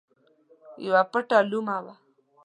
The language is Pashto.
یوه پټه لومه وه.